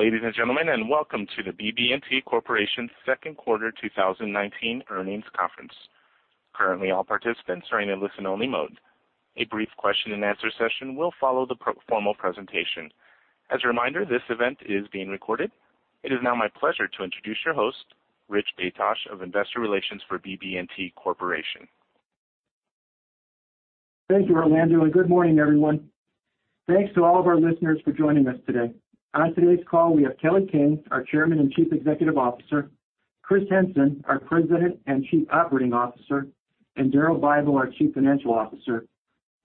Ladies and gentlemen, welcome to the BB&T Corporation second quarter 2019 earnings conference. Currently, all participants are in a listen-only mode. A brief question and answer session will follow the formal presentation. As a reminder, this event is being recorded. It is now my pleasure to introduce your host, Rich Baytosh of Investor Relations for BB&T Corporation. Thank you, Orlando. Good morning, everyone. Thanks to all of our listeners for joining us today. On today's call, we have Kelly King, our Chairman and Chief Executive Officer, Chris Henson, our President and Chief Operating Officer, and Daryl Bible, our Chief Financial Officer,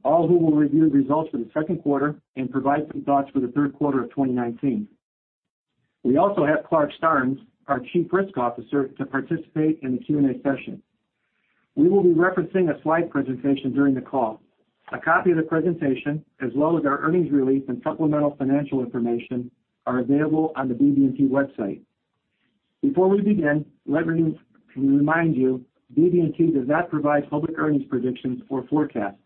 all who will review results for the second quarter and provide some thoughts for the third quarter of 2019. We also have Clarke Starnes, our Chief Risk Officer, to participate in the Q&A session. We will be referencing a slide presentation during the call. A copy of the presentation, as well as our earnings release and supplemental financial information, are available on the BB&T website. Before we begin, let me remind you, BB&T does not provide public earnings predictions or forecasts.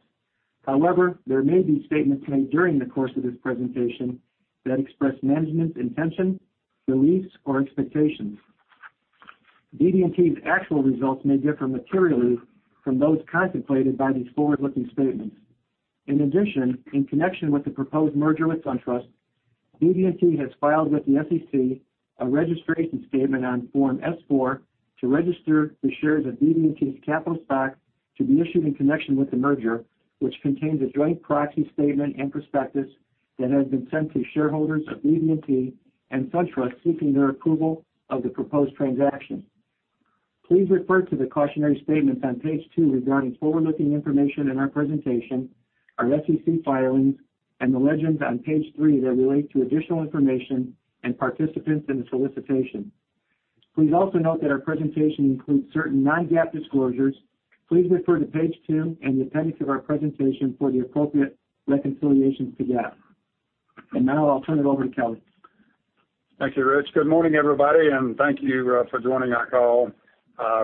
However, there may be statements made during the course of this presentation that express management's intention, beliefs, or expectations. BB&T's actual results may differ materially from those contemplated by these forward-looking statements. In addition, in connection with the proposed merger with SunTrust, BB&T has filed with the SEC a registration statement on Form S-4 to register the shares of BB&T's capital stock to be issued in connection with the merger, which contains a joint proxy statement and prospectus that has been sent to shareholders of BB&T and SunTrust seeking their approval of the proposed transaction. Please refer to the cautionary statements on page two regarding forward-looking information in our presentation, our SEC filings, and the legends on page three that relate to additional information and participants in the solicitation. Please also note that our presentation includes certain non-GAAP disclosures. Please refer to page two in the appendix of our presentation for the appropriate reconciliations to GAAP. Now I'll turn it over to Kelly. Thank you, Rich. Good morning, everybody. Thank you for joining our call.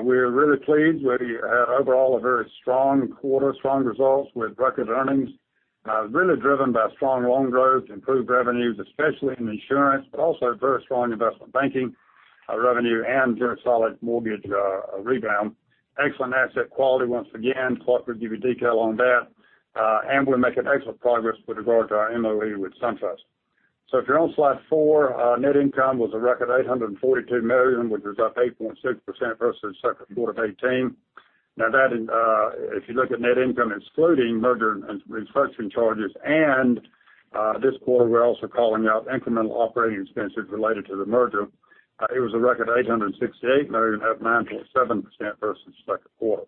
We're really pleased. We had overall a very strong quarter, strong results with record earnings, really driven by strong loan growth, improved revenues, especially in insurance, but also very strong investment banking revenue and very solid mortgage rebound. Excellent asset quality once again. Clarke will give you detail on that. We're making excellent progress with regard to our MOE with SunTrust. If you're on slide four, net income was a record $842 million, which was up 8.6% versus the second quarter of 2018. Now that, if you look at net income excluding merger and restructuring charges, and this quarter we're also calling out incremental operating expenses related to the merger, it was a record $868 million, up 9.7% versus second quarter.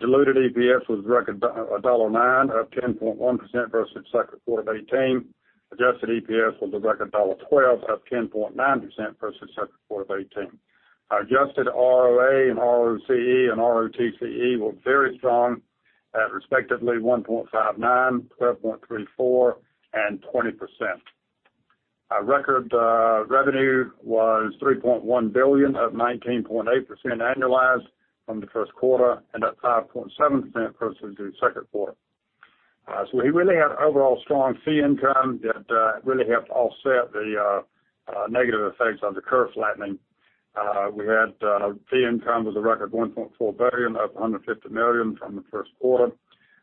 Diluted EPS was a record $1.09, up 10.1% versus second quarter of 2018. Adjusted EPS was a record $1.12, up 10.9% versus second quarter of 2018. Adjusted ROA, ROCE, and ROTCE were very strong at respectively 1.59%, 12.34%, and 20%. Record revenue was $3.1 billion, up 19.8% annualized from the first quarter and up 5.7% versus the second quarter. We really had overall strong fee income that really helped offset the negative effects of the curve flattening. We had fee income was a record $1.4 billion, up $150 million from the first quarter.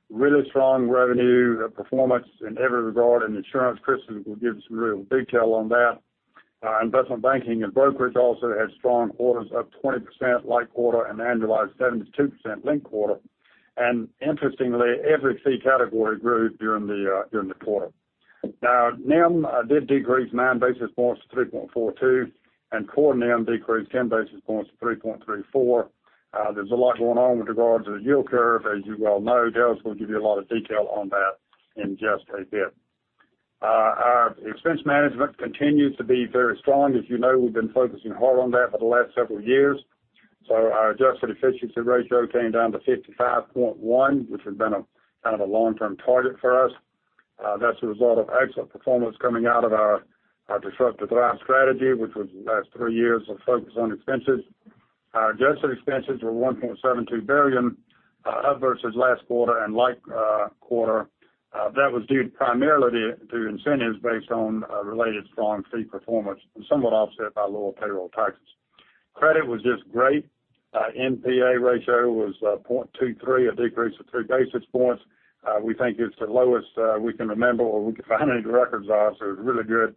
Really strong revenue performance in every regard in insurance. Chris will give some real detail on that. Investment banking and brokerage also had strong quarters, up 20% linked quarter and annualized 72% linked quarter. Interestingly, every fee category grew during the quarter. NIM did decrease nine basis points to 3.42%, and core NIM decreased 10 basis points to 3.34%. There's a lot going on with regards to the yield curve, as you well know. Daryl's going to give you a lot of detail on that in just a bit. Our expense management continues to be very strong. As you know, we've been focusing hard on that for the last several years. Our adjusted efficiency ratio came down to 55.1%, which has been kind of a long-term target for us. That's a result of excellent performance coming out of our disruptive drive strategy, which was the last three years of focus on expenses. Our adjusted expenses were $1.72 billion up versus last quarter and linked quarter. That was due primarily to incentives based on related strong fee performance and somewhat offset by lower payroll taxes. Credit was just great. NPA ratio was 0.23%, a decrease of three basis points. We think it's the lowest we can remember or we could find in the records, it's really good.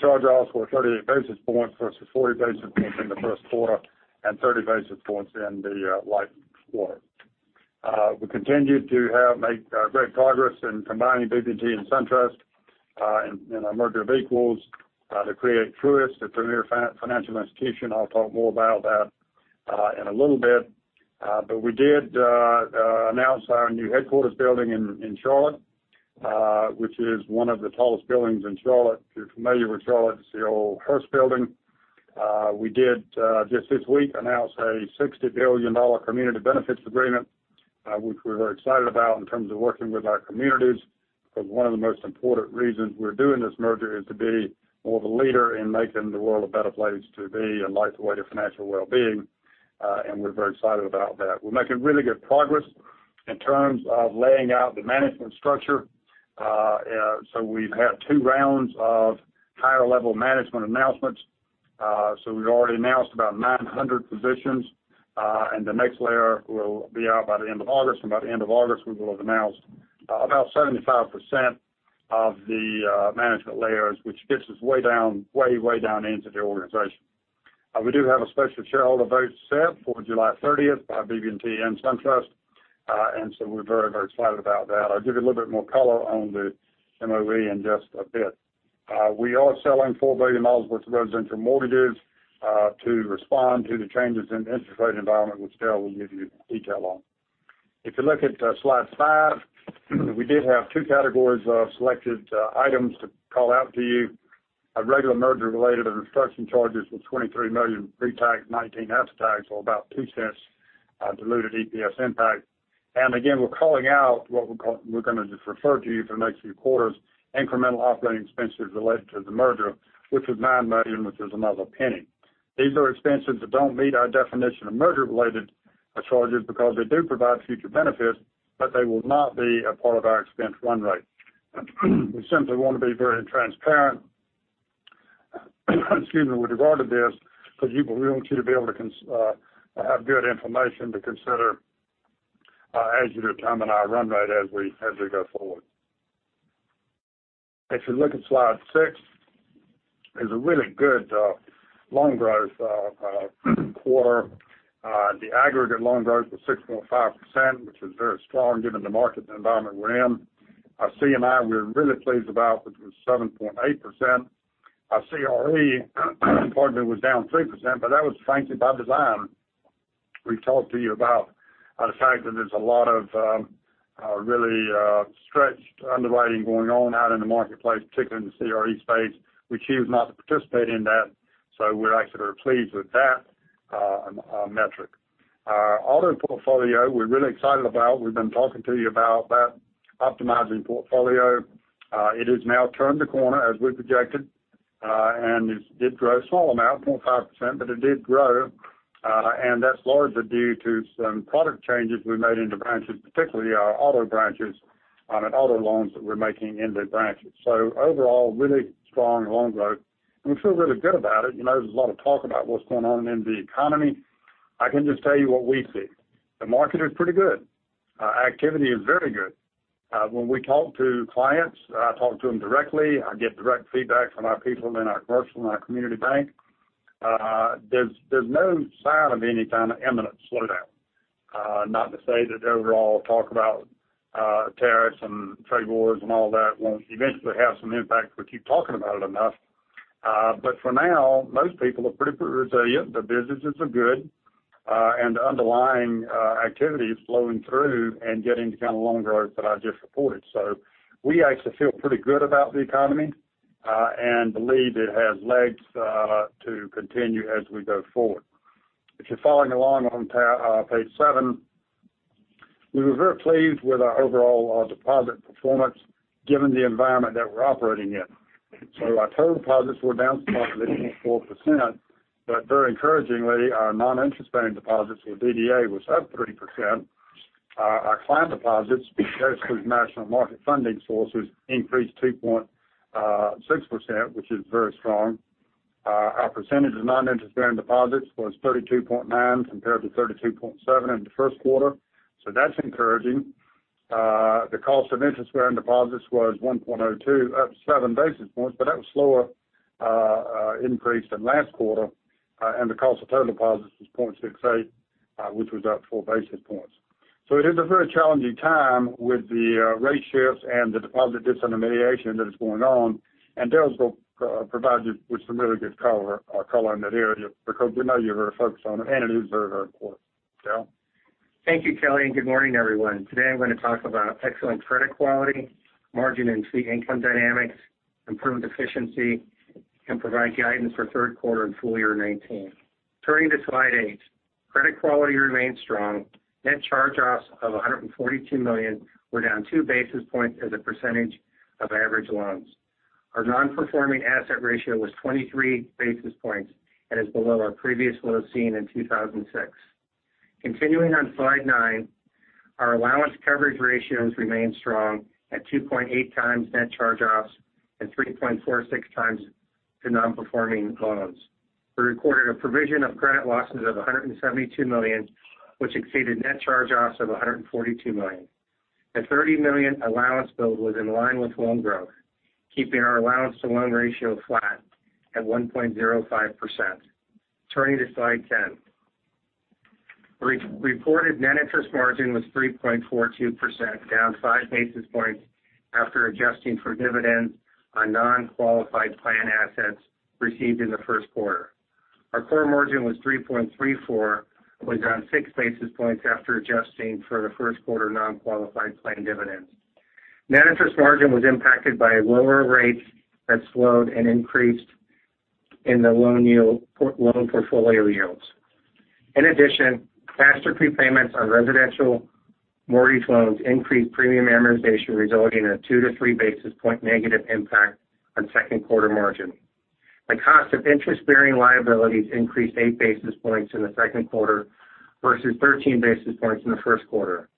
Charge-offs were 38 basis points versus 40 basis points in the first quarter and 30 basis points in the linked quarter. We continued to make great progress in combining BB&T and SunTrust in a merger of equals to create Truist, a premier financial institution. I'll talk more about that in a little bit. We did announce our new headquarters building in Charlotte, which is one of the tallest buildings in Charlotte. If you're familiar with Charlotte, it's the old Hearst building. We did, just this week, announce a $60 billion community benefits agreement, which we're very excited about in terms of working with our communities because one of the most important reasons we're doing this merger is to be more of a leader in making the world a better place to be and light the way to financial well-being. We're very excited about that. We're making really good progress in terms of laying out the management structure. We've had two rounds of higher level management announcements. We've already announced about 900 positions, and the next layer will be out by the end of August. By the end of August, we will have announced about 75% of the management layers, which gets us way down, way down into the organization. We do have a special shareholder vote set for July 30th by BB&T and SunTrust. We're very excited about that. I'll give you a little bit more color on the MOE in just a bit. We are selling $4 billion worth of residential mortgages, to respond to the changes in the interest rate environment, which Daryl will give you detail on. If you look at slide five, we did have two categories of selected items to call out to you. Our regular merger-related and restructuring charges was $23 million pre-tax, $19 after-tax, or about $0.02 diluted EPS impact. We're calling out what we're going to just refer to you for the next few quarters, incremental operating expenses related to the merger, which was $9 million, which is another $0.01. These are expenses that don't meet our definition of merger-related charges because they do provide future benefits, but they will not be a part of our expense run rate. We simply want to be very transparent, excuse me, with regard to this, because we want you to be able to have good information to consider as you determine our run rate as we go forward. If you look at slide six, it's a really good loan growth quarter. The aggregate loan growth was 6.5%, which was very strong given the market environment we're in. Our C&I, we're really pleased about, which was 7.8%. Our CRE part of it was down 3%. That was frankly by design. We've talked to you about the fact that there's a lot of really stretched underwriting going on out in the marketplace, particularly in the CRE space. We choose not to participate in that. We're actually very pleased with that metric. Our auto portfolio, we're really excited about. We've been talking to you about that optimizing portfolio. It has now turned the corner as we projected. It did grow a small amount, 0.5%. It did grow. That's largely due to some product changes we made in the branches, particularly our auto branches, and auto loans that we're making in the branches. Overall, really strong loan growth. We feel really good about it. There's a lot of talk about what's going on in the economy. I can just tell you what we see. The market is pretty good. Activity is very good. When we talk to clients, I talk to them directly. I get direct feedback from our people in our commercial and our Community Bank. There's no sign of any kind of imminent slowdown. Not to say that the overall talk about tariffs and trade wars and all that won't eventually have some impact if we keep talking about it enough. For now, most people are pretty resilient. Their businesses are good. The underlying activity is flowing through and getting the kind of loan growth that I just reported. We actually feel pretty good about the economy. We believe it has legs to continue as we go forward. If you're following along on page seven, we were very pleased with our overall deposit performance given the environment that we're operating in. Our total deposits were down approximately 0.4%. Very encouragingly, our non-interest-bearing deposits or DDA was up 3%. Our client deposits, because we've matched up market funding sources, increased 2.6%, which is very strong. Our percentage of non-interest-bearing deposits was 32.9 compared to 32.7 in the first quarter. That's encouraging. The cost of interest-bearing deposits was 1.02%, up seven basis points. That was slower increase than last quarter. The cost of total deposits was $0.68, which was up four basis points. It is a very challenging time with the rate shifts and the deposit disintermediation that is going on. Daryl's going to provide you with some really good color on that area, because we know you're very focused on it and it is very, very important. Daryl. Thank you, Kelly, and good morning, everyone. Today, I'm going to talk about excellent credit quality, margin and fee income dynamics, improved efficiency, and provide guidance for third quarter and full-year 2019. Turning to slide eight. Credit quality remains strong. Net charge-offs of $142 million were down two basis points as a percentage of average loans. Our non-performing asset ratio was 23 basis points, and is below our previous low seen in 2006. Continuing on slide nine. Our allowance coverage ratios remain strong at 2.8x net charge-offs and 3.46x to non-performing loans. We recorded a provision of credit losses of $172 million, which exceeded net charge-offs of $142 million. The $30 million allowance build was in line with loan growth, keeping our allowance to loan ratio flat at 1.05%. Turning to slide 10. Reported net interest margin was 3.42%, down five basis points after adjusting for dividends on non-qualified plan assets received in the first quarter. Our core margin was 3.34, was down six basis points after adjusting for the first quarter non-qualified plan dividends. Net interest margin was impacted by lower rates that slowed and increased in the loan portfolio yields. In addition, faster prepayments on residential mortgage loans increased premium amortization, resulting in a two to three basis point negative impact on second quarter margin. The cost of interest-bearing liabilities increased eight basis points in the second quarter versus 13 basis points in the first quarter.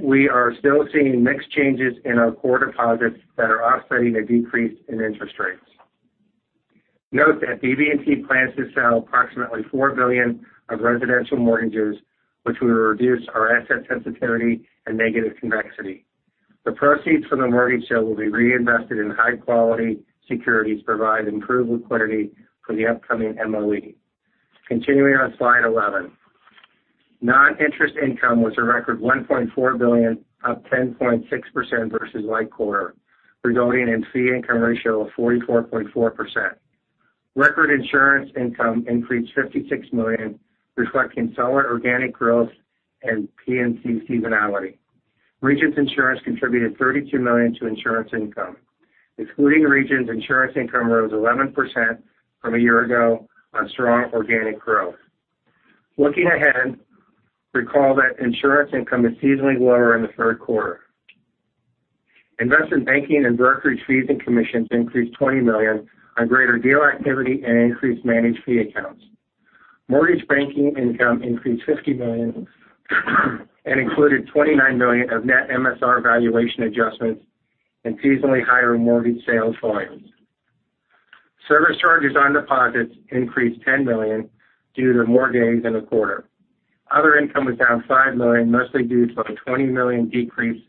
We are still seeing mix changes in our core deposits that are offsetting a decrease in interest rates. Note that BB&T plans to sell approximately $4 billion of residential mortgages, which will reduce our asset sensitivity and negative convexity. The proceeds from the mortgage sale will be reinvested in high-quality securities to provide improved liquidity for the upcoming MOE. Continuing on slide 11. Non-interest income was a record $1.4 billion, up 10.6% versus like-quarter, resulting in fee income ratio of 44.4%. Record insurance income increased $56 million, reflecting solid organic growth and P&C seasonality. Regions Insurance contributed $32 million to insurance income. Excluding Regions, insurance income rose 11% from a year ago on strong organic growth. Looking ahead, recall that insurance income is seasonally lower in the third quarter. Investment banking and brokerage fees and commissions increased $20 million on greater deal activity and increased managed fee accounts. Mortgage banking income increased $50 million and included $29 million of net MSR valuation adjustments and seasonally higher mortgage sales volumes. Service charges on deposits increased $10 million due to more days in the quarter. Other income was down $5 million, mostly due to a $20 million decrease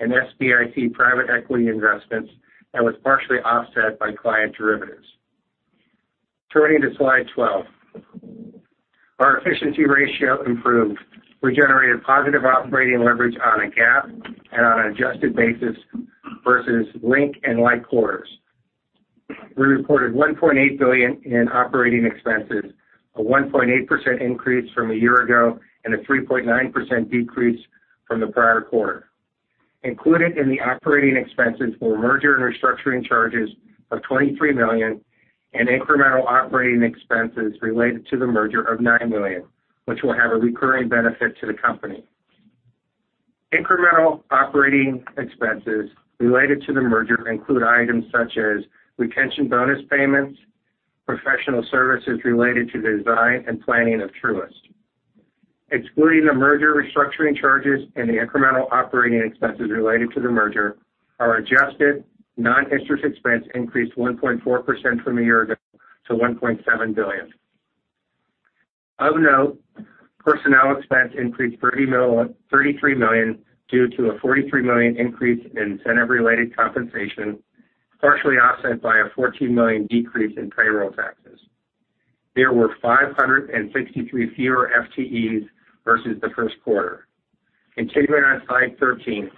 in SBIC private equity investments, and was partially offset by client derivatives. Turning to slide 12. Our efficiency ratio improved. We generated positive operating leverage on a GAAP and on an adjusted basis versus link and like quarters. We reported $1.8 billion in operating expenses, a 1.8% increase from a year ago, and a 3.9% decrease from the prior quarter. Included in the operating expenses were merger and restructuring charges of $23 million and incremental operating expenses related to the merger of $9 million, which will have a recurring benefit to the company. Incremental operating expenses related to the merger include items such as retention bonus payments, professional services related to the design and planning of Truist. Excluding the merger restructuring charges and the incremental operating expenses related to the merger, our adjusted non-interest expense increased 1.4% from a year ago to $1.7 billion. Of note, personnel expense increased $33 million due to a $43 million increase in incentive-related compensation, partially offset by a $14 million decrease in payroll taxes. There were 563 fewer FTEs versus the first quarter. Continuing on slide 13.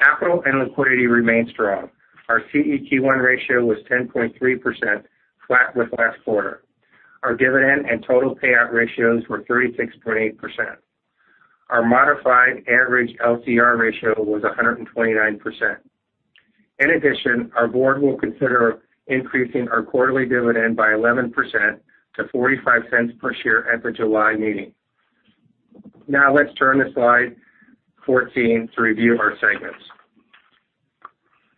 Capital and liquidity remain strong. Our CET1 ratio was 10.3%, flat with last quarter. Our dividend and total payout ratios were 36.8%. Our modified average LCR ratio was 129%. In addition, our board will consider increasing our quarterly dividend by 11% to $0.45 per share at the July meeting. Now let's turn to slide 14 to review our segments.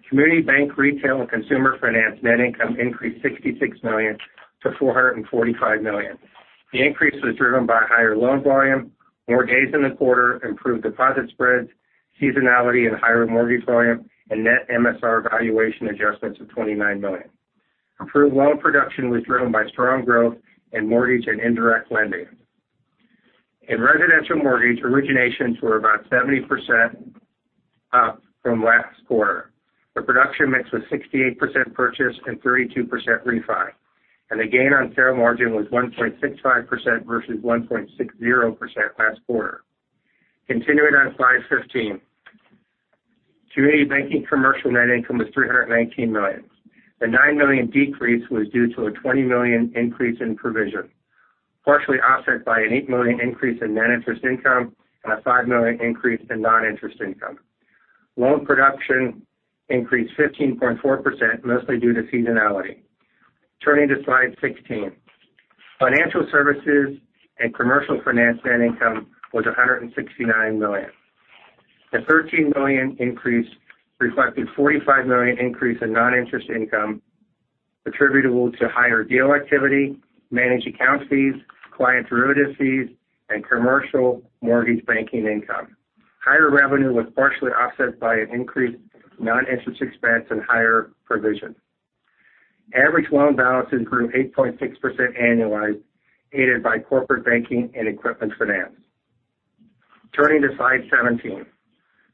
Community Bank, Retail, and Consumer Finance net income increased $66-445 million. The increase was driven by higher loan volume, more days in the quarter, improved deposit spreads, seasonality and higher mortgage volume, and net MSR valuation adjustments of $29 million. Improved loan production was driven by strong growth in mortgage and indirect lending. In residential mortgage, originations were about 70% up from last quarter. The production mix was 68% purchase and 32% refi, and the gain on fair margin was 1.65% versus 1.60% last quarter. Continuing on slide 15. Community Banking Commercial net income was $319 million. The $9 million decrease was due to a $20 million increase in provision, partially offset by an $8 million increase in non-interest income and a $5 million increase in non-interest income. Loan production increased 15.4%, mostly due to seasonality. Turning to slide 16. Financial Services and Commercial Finance net income was $169 million. The $13 million increase reflected a $45 million increase in non-interest income attributable to higher deal activity, managed account fees, client derivative fees, and commercial mortgage banking income. Higher revenue was partially offset by an increased non-interest expense and higher provision. Average loan balances grew 8.6% annualized, aided by corporate banking and equipment finance. Turning to slide 17.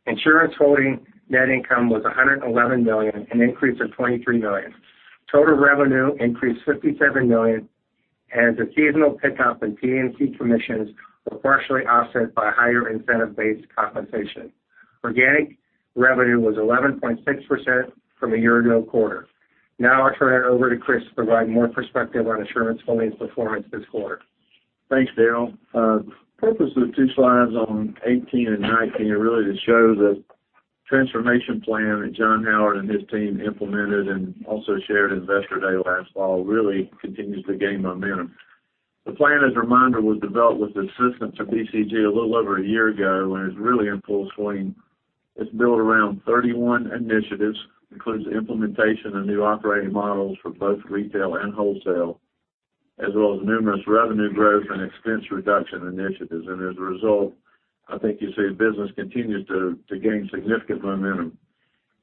Insurance Holding net income was $111 million, an increase of $23 million. Total revenue increased $57 million as a seasonal pickup in P&C commissions were partially offset by higher incentive-based compensation. Organic revenue was 11.6% from a year ago quarter. Now I'll turn it over to Chris to provide more perspective on Insurance Holdings' performance this quarter. Thanks, Daryl. Purpose of the two slides on 18 and 19 are really to show the transformation plan that John Howard and his team implemented and also shared at Investor Day last fall really continues to gain momentum. The plan, as a reminder, was developed with the assistance of BCG a little over a year ago and is really in full swing. It's built around 31 initiatives, includes the implementation of new operating models for both retail and wholesale, as well as numerous revenue growth and expense reduction initiatives. As a result, I think you see the business continues to gain significant momentum.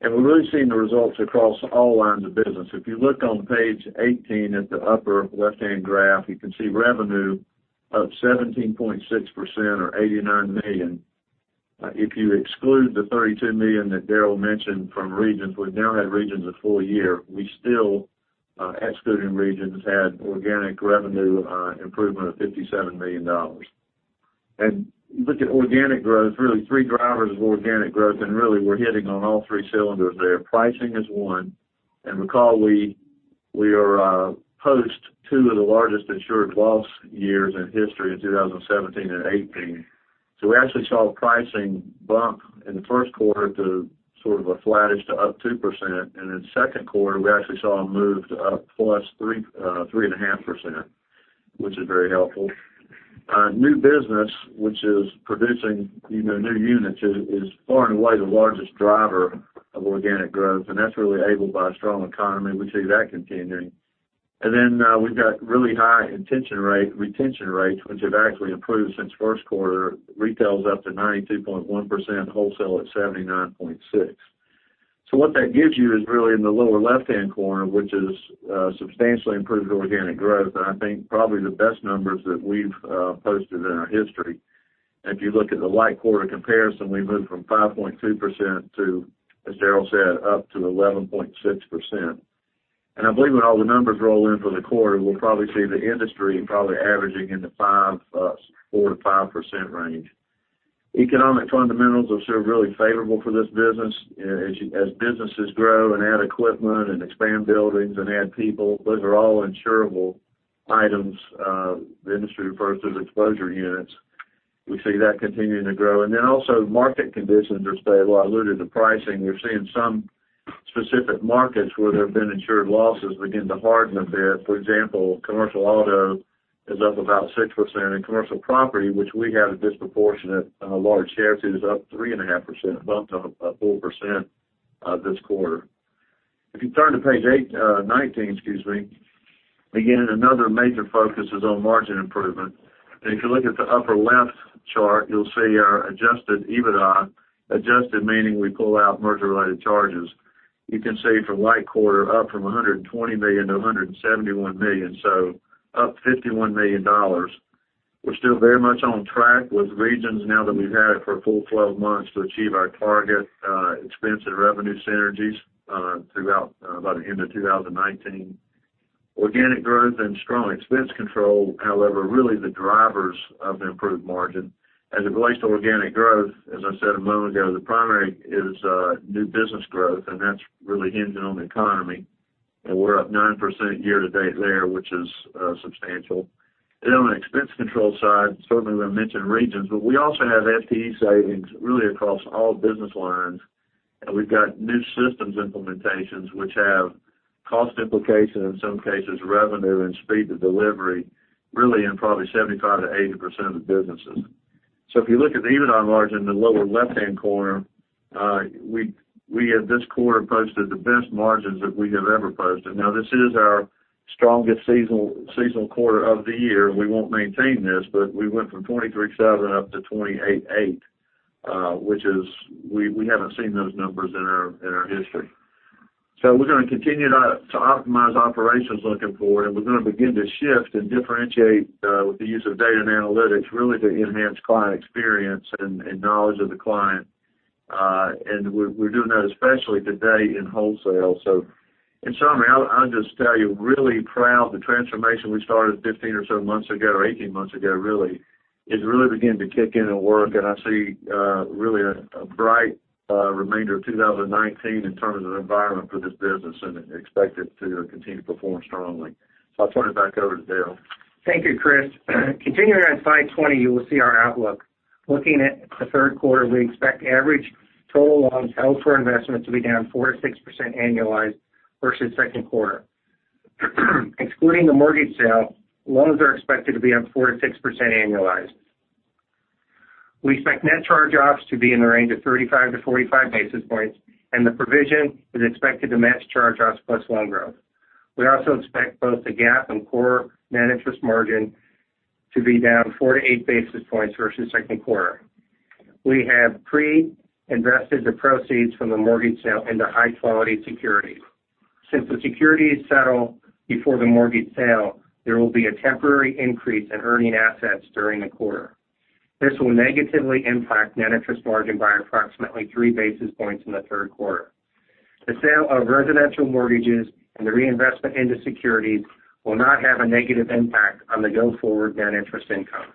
We're really seeing the results across all lines of business. If you look on page 18 at the upper left-hand graph, you can see revenue up 17.6% or $89 million. If you exclude the $32 million that Daryl mentioned from Regions, we've now had Regions a full-year. We still, excluding Regions, had organic revenue improvement of $57 million. If you look at organic growth, really three drivers of organic growth, and really we're hitting on all three cylinders there. Pricing is one. Recall we are post two of the largest insured loss years in history in 2017 and 2018. We actually saw pricing bump in the first quarter to sort of a flattish to up 2%, and in the second quarter, we actually saw them move to up +3.5%, which is very helpful. New business, which is producing new units, is far and away the largest driver of organic growth, and that's really enabled by a strong economy. We see that continuing. We've got really high retention rates, which have actually improved since first quarter. Retail's up to 92.1%, wholesale at 79.6%. What that gives you is really in the lower left-hand corner, which is substantially improved organic growth, and I think probably the best numbers that we've posted in our history. If you look at the like quarter comparison, we moved from 5.2% to, as Daryl said, up to 11.6%. I believe when all the numbers roll in for the quarter, we'll probably see the industry probably averaging in the 4%-5% range. Economic fundamentals are still really favorable for this business. As businesses grow and add equipment and expand buildings and add people, those are all insurable items the industry refers to as exposure units. We see that continuing to grow. Also market conditions are stable. I alluded to pricing. We're seeing some specific markets where there have been insured losses begin to harden a bit. For example, commercial auto is up about 6%, and commercial property, which we have a disproportionate large share to, is up 3.5%, bumped up 4% this quarter. If you turn to page 19, again, another major focus is on margin improvement. If you look at the upper left chart, you'll see our adjusted EBITDA, adjusted meaning we pull out merger-related charges. You can see from like quarter up from $120-171 million, so up $51 million. We're still very much on track with Regions now that we've had it for a full 12 months to achieve our target expense and revenue synergies throughout by the end of 2019. Organic growth and strong expense control, however, are really the drivers of improved margin. As it relates to organic growth, as I said a moment ago, the primary is new business growth, that's really hinging on the economy. We're up 9% year-to-date there, which is substantial. On the expense control side, certainly we mentioned Regions, but we also have FTE savings really across all business lines. We've got new systems implementations which have cost implications, in some cases revenue and speed to delivery, really in probably 75%-80% of the businesses. If you look at the EBITDA margin in the lower left-hand corner, we at this quarter posted the best margins that we have ever posted. This is our strongest seasonal quarter of the year. We won't maintain this, but we went from 23.7 up to 28.8. We haven't seen those numbers in our history. We're going to continue to optimize operations looking forward, and we're going to begin to shift and differentiate with the use of data and analytics really to enhance client experience and knowledge of the client. We're doing that especially today in wholesale. In summary, I'll just tell you, really proud of the transformation we started 15 or so months ago, or 18 months ago, really. It's really beginning to kick in and work, and I see really a bright remainder of 2019 in terms of the environment for this business and expect it to continue to perform strongly. I'll turn it back over to Daryl. Thank you, Chris. Continuing on slide 20, you will see our outlook. Looking at the third quarter, we expect average total loans held for investment to be down 4%-6% annualized versus second quarter. Excluding the mortgage sale, loans are expected to be up 4%-6% annualized. We expect net charge-offs to be in the range of 35 to 45 basis points, and the provision is expected to match charge-offs plus loan growth. We also expect both the GAAP and core net interest margin to be down four to eight basis points versus second quarter. We have pre-invested the proceeds from the mortgage sale into high-quality securities. Since the securities settle before the mortgage sale, there will be a temporary increase in earning assets during the quarter. This will negatively impact net interest margin by approximately three basis points in the third quarter. The sale of residential mortgages and the reinvestment into securities will not have a negative impact on the go-forward net interest income.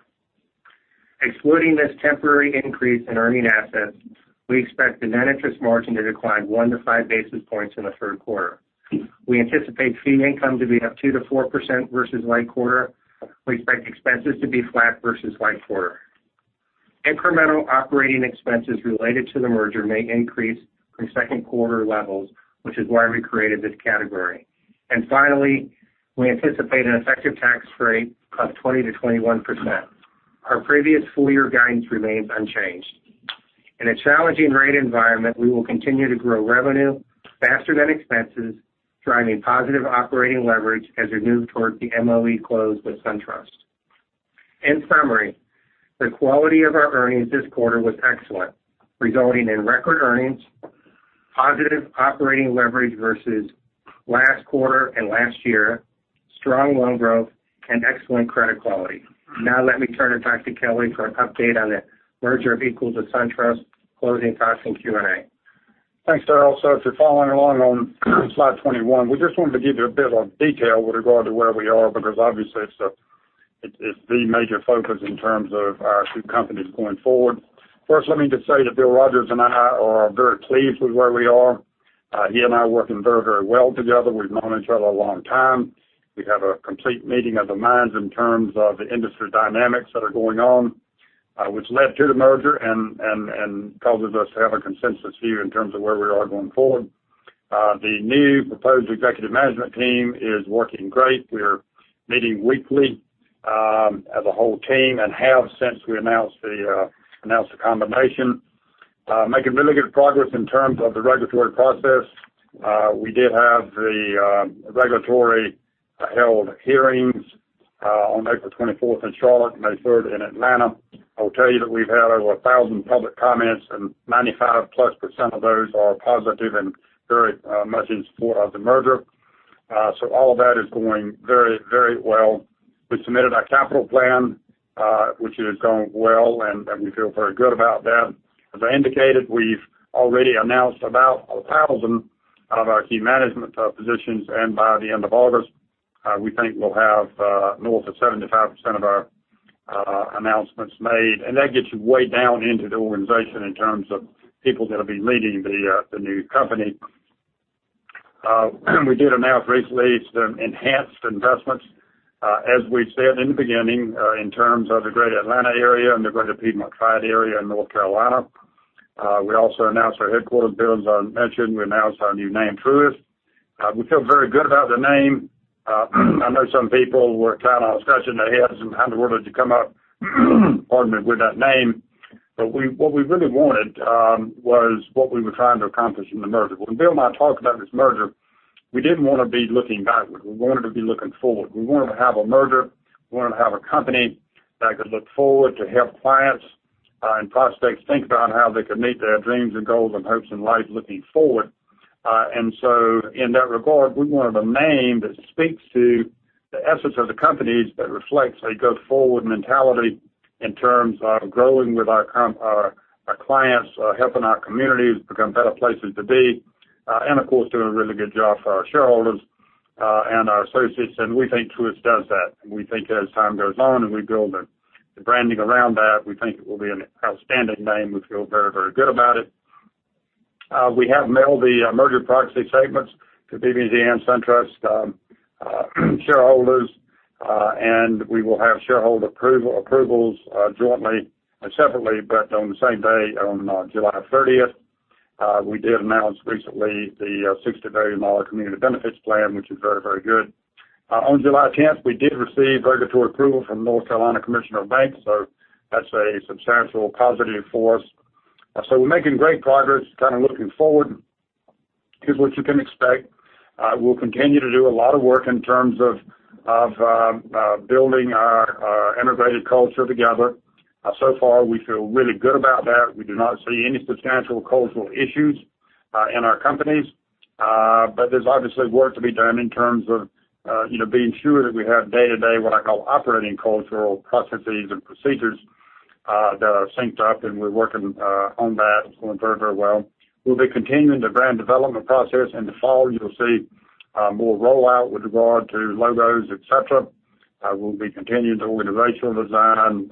Excluding this temporary increase in earning assets, we expect the net interest margin to decline one to five basis points in the third quarter. We anticipate fee income to be up 2%-4% versus like quarter. We expect expenses to be flat versus like quarter. Incremental operating expenses related to the merger may increase from second quarter levels, which is why we created this category. Finally, we anticipate an effective tax rate of 20%-21%. Our previous full-year guidance remains unchanged. In a challenging rate environment, we will continue to grow revenue faster than expenses, driving positive operating leverage as we move towards the MOE close with SunTrust. In summary, the quality of our earnings this quarter was excellent, resulting in record earnings, positive operating leverage versus last quarter and last year, strong loan growth, and excellent credit quality. Let me turn it back to Kelly for an update on the merger of equals with SunTrust, closing costs, and Q&A. Thanks, Daryl. If you're following along on slide 21, we just wanted to give you a bit of detail with regard to where we are, because obviously it's the major focus in terms of our two companies going forward. First, let me just say that Bill Rogers and I are very pleased with where we are. He and I are working very well together. We've known each other a long time. We have a complete meeting of the minds in terms of the industry dynamics that are going on, which led to the merger and causes us to have a consensus view in terms of where we are going forward. The new proposed executive management team is working great. We are meeting weekly as a whole team, and have since we announced the combination, making really good progress in terms of the regulatory process. We did have the regulatory-held hearings on April 24th in Charlotte and May 3rd in Atlanta. I'll tell you that we've had over 1,000 public comments, and 95+% of those are positive and very much in support of the merger. All of that is going very well. We submitted our capital plan, which is going well, and we feel very good about that. As I indicated, we've already announced about 1,000 of our key management positions, and by the end of August, we think we'll have north of 75% of our announcements made. That gets you way down into the organization in terms of people that'll be leading the new company. We did announce recently some enhanced investments, as we said in the beginning, in terms of the Greater Atlanta area and the Greater Piedmont Triad area in North Carolina. We also announced our headquarters, Bill, as I mentioned. We announced our new name, Truist. We feel very good about the name. I know some people were kind of scratching their heads on how the world had to come up, pardon me, with that name. What we really wanted was what we were trying to accomplish in the merger. When Bill and I talked about this merger, we didn't want to be looking backward. We wanted to be looking forward. We wanted to have a merger. We wanted to have a company that could look forward to help clients and prospects think about how they could meet their dreams and goals and hopes in life looking forward. In that regard, we wanted a name that speaks to the essence of the companies that reflects a go-forward mentality in terms of growing with our clients, helping our communities become better places to be, and of course, doing a really good job for our shareholders and our associates. We think Truist does that. We think as time goes on and we build the branding around that, we think it will be an outstanding name. We feel very good about it. We have mailed the merger proxy statements to BB&T and SunTrust shareholders, and we will have shareholder approvals jointly and separately, but on the same day on July 30th. We did announce recently the $60 million community benefits plan, which is very good. On July 10th, we did receive regulatory approval from the North Carolina Commissioner of Banks, that's a substantial positive for us. We're making great progress kind of looking forward. Here's what you can expect. We'll continue to do a lot of work in terms of building our integrated culture together. So far, we feel really good about that. We do not see any substantial cultural issues in our companies. There's obviously work to be done in terms of being sure that we have day-to-day, what I call operating cultural processes and procedures that are synced up, and we're working on that. It's going very well. We'll be continuing the brand development process. In the fall, you'll see more rollout with regard to logos, et cetera. We'll be continuing the organizational design,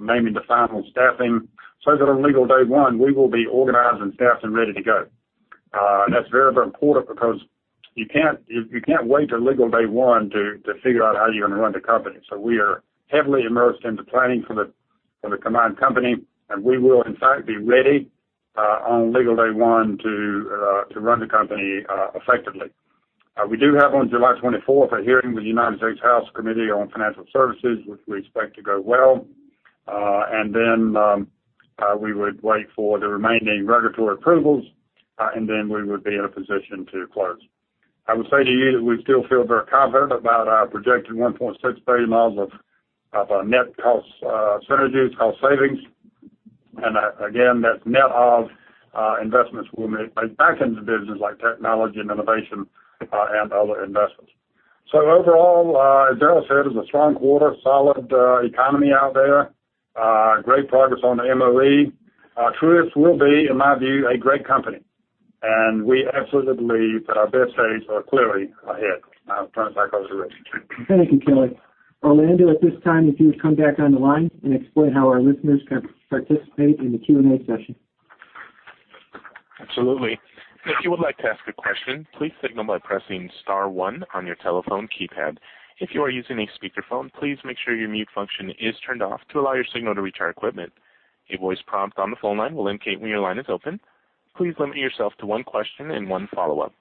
naming the final staffing so that on legal day one, we will be organized and staffed and ready to go. That's very important because you can't wait till legal day one to figure out how you're going to run the company. We are heavily immersed into planning for the combined company, and we will, in fact, be ready on legal day one to run the company effectively. We do have on July 24th a hearing with the United States House Committee on Financial Services, which we expect to go well. We would wait for the remaining regulatory approvals, we would be in a position to close. I would say to you that we still feel very confident about our projected $1.6 billion of our net cost synergies, cost savings. Again, that's net of investments we'll make back into the business, like technology and innovation and other investments. Overall, as Daryl said, it was a strong quarter, solid economy out there. Great progress on the MOE. Truist will be, in my view, a great company. We absolutely believe that our best days are clearly ahead. Now I'll turn it back over to Rich. Thank you, Kelly. Orlando, at this time, if you would come back on the line and explain how our listeners can participate in the Q&A session. Absolutely. If you would like to ask a question, please signal by pressing star one on your telephone keypad. If you are using a speakerphone, please make sure your mute function is turned off to allow your signal to reach our equipment. A voice prompt on the phone line will indicate when your line is open. Please limit yourself to one question and one follow-up.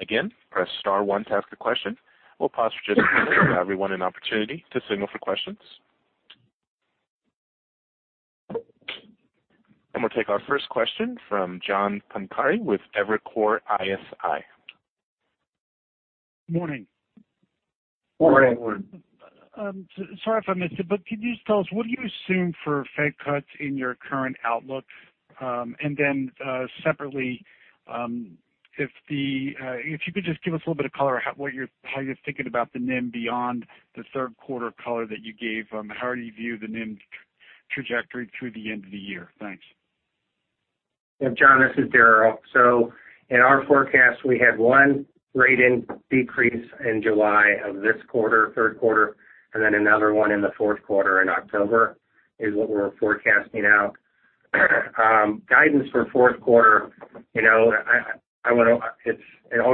Again, press star one to ask a question. We'll pause just to give everyone an opportunity to signal for questions. We'll take our first question from John Pancari with Evercore ISI. Morning. Morning. Sorry if I missed it, could you just tell us what do you assume for Fed cuts in your current outlook? Separately, if you could just give us a little bit of color how you're thinking about the NIM beyond the third quarter color that you gave. How do you view the NIM trajectory through the end of the year? Thanks. John, this is Daryl. In our forecast, we have one rate decrease in July of this quarter, third quarter, and then another one in the fourth quarter in October, is what we're forecasting out. Guidance for fourth quarter, it all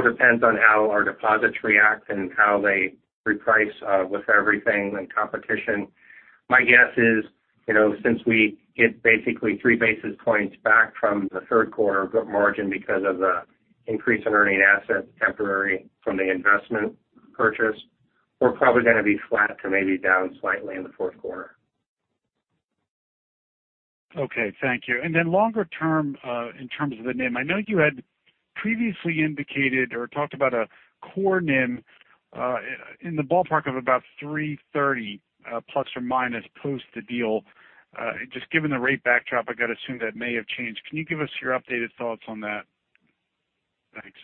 depends on how our deposits react and how they reprice, with everything and competition. My guess is, since we get basically three basis points back from the third quarter margin because of the increase in earning assets temporary from the investment purchase, we're probably going to be flat to maybe down slightly in the fourth quarter. Okay. Thank you. Longer term, in terms of the NIM, I know you had previously indicated or talked about a core NIM in the ballpark of about 330 ± post the deal. Just given the rate backdrop, I got to assume that may have changed. Can you give us your updated thoughts on that? Thanks.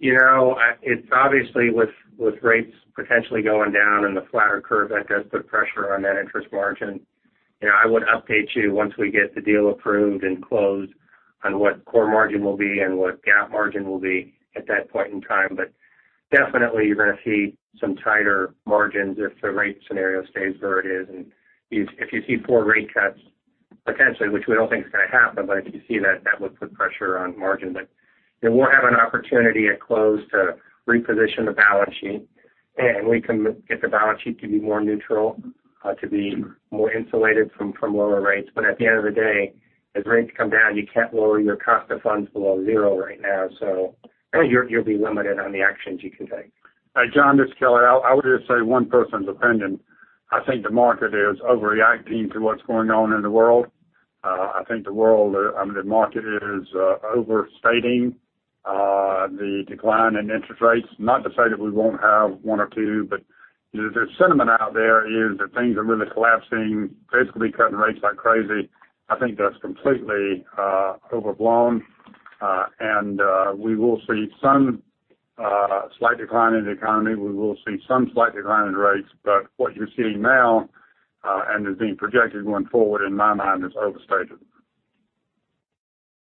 It's obviously with rates potentially going down and the flatter curve, that does put pressure on that interest margin. I would update you once we get the deal approved and closed on what core margin will be and what GAAP margin will be at that point in time. Definitely you're going to see some tighter margins if the rate scenario stays where it is. If you see four rate cuts potentially, which we don't think is going to happen, if you see that would put pressure on margin. We'll have an opportunity at close to reposition the balance sheet, we can get the balance sheet to be more neutral, to be more insulated from lower rates. At the end of the day, as rates come down, you can't lower your cost of funds below zero right now. You'll be limited on the actions you can take. Hey, John, this is Kelly. I would just say one person's opinion. I think the market is overreacting to what's going on in the world. I think the market is overstating the decline in interest rates. Not to say that we won't have one or two, the sentiment out there is that things are really collapsing, basically cutting rates like crazy. I think that's completely overblown. We will see some slight decline in the economy. We will see some slight decline in rates. What you're seeing now, is being projected going forward in my mind, is overstated.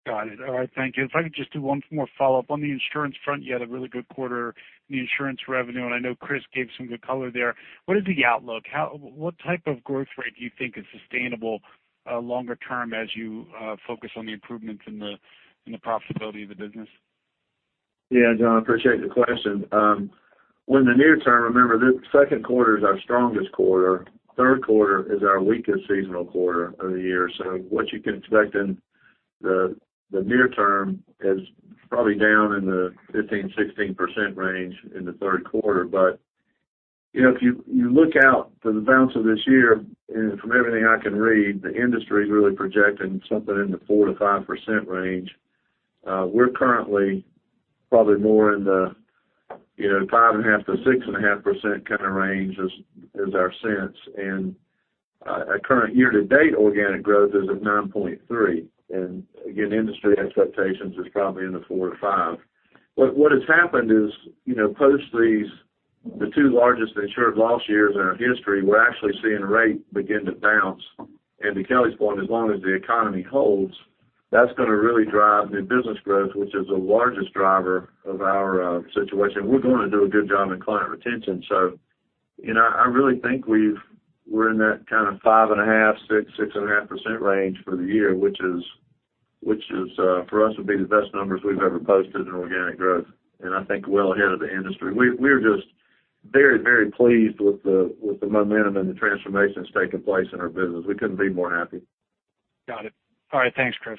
Got it. All right, thank you. If I could just do one more follow-up. On the insurance front, you had a really good quarter in the insurance revenue, and I know Chris gave some good color there. What is the outlook? What type of growth rate do you think is sustainable longer term as you focus on the improvements in the profitability of the business? Yeah, John, appreciate the question. In the near term, remember, the second quarter is our strongest quarter. Third quarter is our weakest seasonal quarter of the year. What you can expect in the near term is probably down in the 15%-16% range in the third quarter. If you look out for the balance of this year, and from everything I can read, the industry is really projecting something in the 4%-5% range. We're currently probably more in the 5.5%-6.5% kind of range is our sense. Our current year-to-date organic growth is at 9.3%. Again, industry expectations is probably in the 4%-5%. What has happened is post the two largest insured loss years in our history, we're actually seeing rate begin to bounce. To Kelly's point, as long as the economy holds, that's going to really drive new business growth, which is the largest driver of our situation. We're going to do a good job in client retention. I really think we're in that kind of 5.5%, 6%, 6.5% range for the year, which for us, would be the best numbers we've ever posted in organic growth. I think well ahead of the industry. We're just very, very pleased with the momentum and the transformations taking place in our business. We couldn't be more happy. Got it. All right. Thanks, Chris.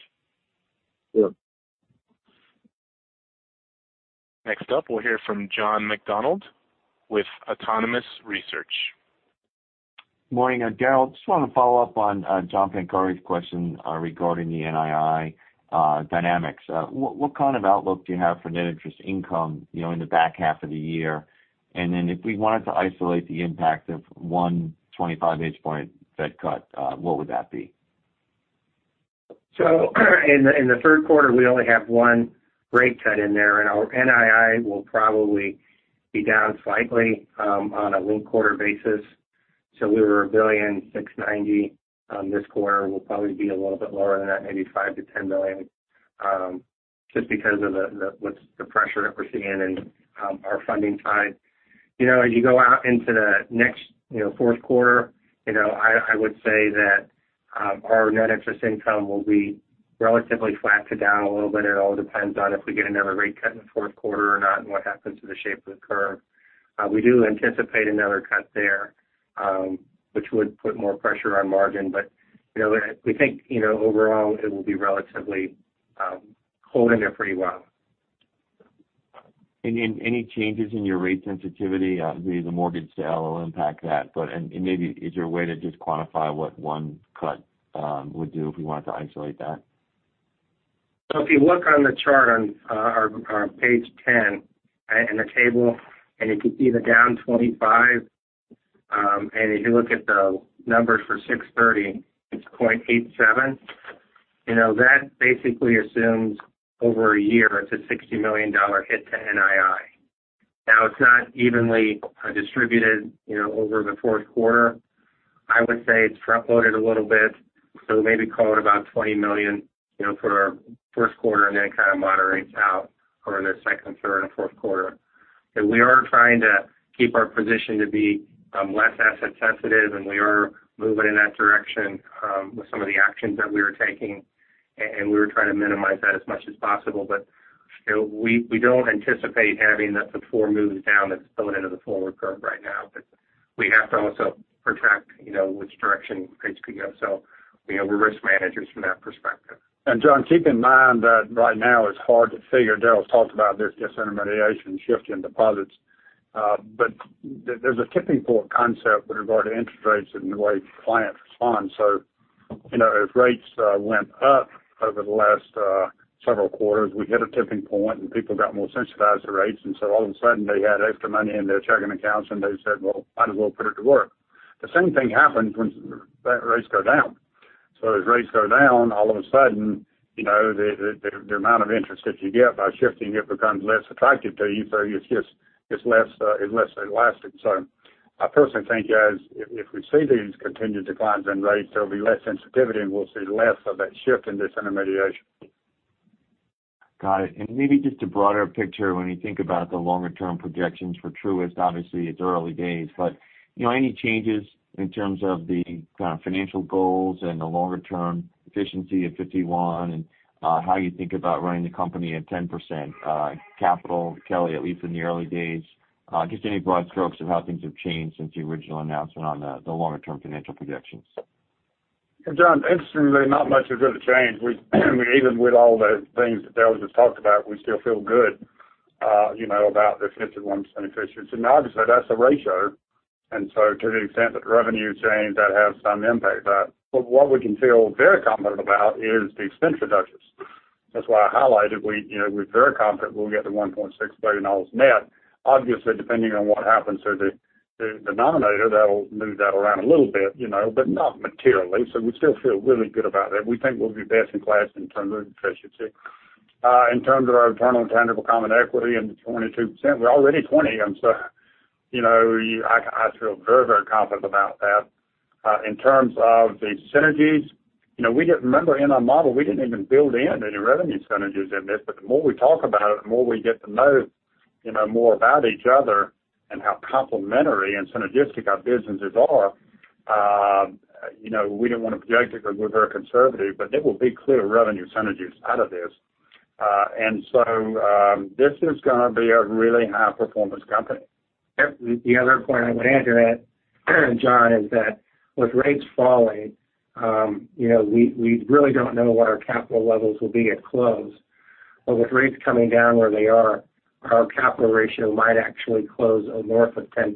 Sure. Next up, we'll hear from John McDonald with Autonomous Research. Morning. Daryl, just wanted to follow up on John Pancari's question regarding the NII dynamics. What kind of outlook do you have for net interest income in the back half of the year? Then if we wanted to isolate the impact of 125 basis points Fed cut, what would that be? In the third quarter, we only have one rate cut in there, Our NII will probably be down slightly on a linked quarter basis. We were $1.69 billion. This quarter will probably be a little bit lower than that, maybe $5-10 million, just because of the pressure that we're seeing in our funding side. You go out into the next fourth quarter, I would say that our net interest income will be relatively flat to down a little bit. It all depends on if we get another rate cut in the fourth quarter or not and what happens to the shape of the curve. We do anticipate another cut there, which would put more pressure on margin, but we think, overall, it will be relatively holding there pretty well. Any changes in your rate sensitivity, the mortgage sale will impact that. Maybe, is there a way to just quantify what one cut would do if we wanted to isolate that? If you look on the chart on page 10 in the table, and you can see the down 25, and if you look at the numbers for 630, it's 0.87. That basically assumes over a year, it's a $60 million hit to NII. It's not evenly distributed over the fourth quarter. I would say it's front-loaded a little bit, so maybe call it about $20 million for our first quarter, and then kind of moderates out over the second, third, and fourth quarter. We are trying to keep our position to be less asset sensitive, and we are moving in that direction with some of the actions that we are taking, and we are trying to minimize that as much as possible. We don't anticipate having that before moves down that's built into the forward curve right now. We have to also protect which direction rates could go. We're risk managers from that perspective. John, keep in mind that right now it's hard to figure. Daryl talked about there's disintermediation shift in deposits. There's a tipping point concept with regard to interest rates and the way clients respond. If rates went up over the last several quarters, we hit a tipping point, and people got more sensitized to rates. All of a sudden, they had extra money in their checking accounts, and they said, "Well, might as well put it to work." The same thing happens when rates go down. As rates go down, all of a sudden, the amount of interest that you get by shifting, it becomes less attractive to you, so it's less elastic. I personally think, as if we see these continued declines in rates, there'll be less sensitivity, and we'll see less of that shift in disintermediation. Got it. Maybe just a broader picture when you think about the longer-term projections for Truist. Obviously, it's early days, but any changes in terms of the kind of financial goals and the longer-term efficiency of 51, and how you think about running the company at 10% capital, Kelly, at least in the early days? Just any broad strokes of how things have changed since the original announcement on the longer-term financial projections. John, interestingly, not much has really changed. Even with all the things that Daryl just talked about, we still feel good about the 51% efficiency. Obviously, that's a ratio, to the extent that revenue change, that has some impact. What we can feel very confident about is the expense reductions. That's why I highlighted, we're very confident we'll get the $1.6 billion net, obviously, depending on what happens to the denominator. That'll move that around a little bit, but not materially. We still feel really good about that. We think we'll be best in class in terms of efficiency. In terms of our return on tangible common equity and the 22%, we're already 20%. I feel very confident about that. In terms of the synergies, remember, in our model, we didn't even build in any revenue synergies in this. The more we talk about it, the more we get to know more about each other and how complementary and synergistic our businesses are. We didn't want to project it because we're very conservative, but there will be clear revenue synergies out of this. This is going to be a really high-performance company. The other point I would add to that, John, is that with rates falling, we really don't know what our capital levels will be at close. With rates coming down where they are, our capital ratio might actually close north of 10%,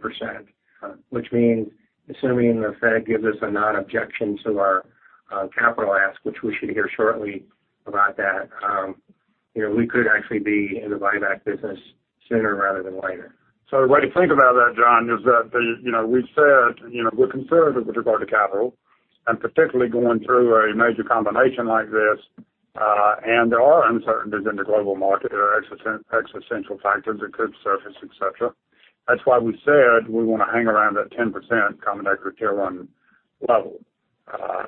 which means assuming the Fed gives us a non-objection to our capital ask, which we should hear shortly about that, we could actually be in the buyback business sooner rather than later. The way to think about that, John, is that we've said we're conservative with regard to capital, and particularly going through a major combination like this. There are uncertainties in the global market. There are existential factors that could surface, et cetera. That's why we said we want to hang around that 10% common equity tier one level.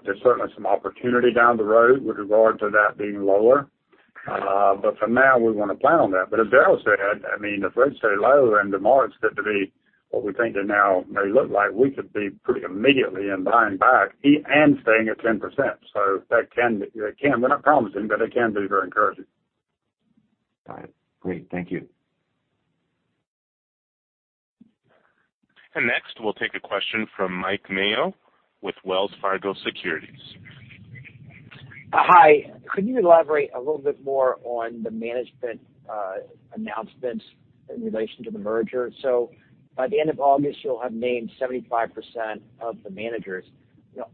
There's certainly some opportunity down the road with regard to that being lower. For now, we want to plan on that. As Daryl said, if rates stay low and the markets get to be what we think they now may look like, we could be pretty immediately in buying back and staying at 10%. We're not promising, but it can be very encouraging. Got it. Great. Thank you. Next, we'll take a question from Mike Mayo with Wells Fargo Securities. Hi. Could you elaborate a little bit more on the management announcements in relation to the merger? By the end of August, you'll have named 75% of the managers.